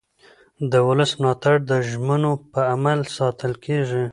د ولس ملاتړ د ژمنو په عمل ساتل کېږي